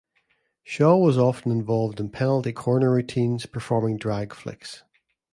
Shaw was often involved in penalty corner routines performing drag flicks.